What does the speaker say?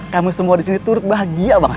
kamu semua disini turut bahagia banget